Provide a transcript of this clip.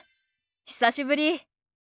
久しぶり。